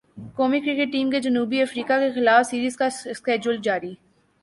قومی cricket team کے جنوبی افریقہ کیخلاف سیریز کا شیڈول جاری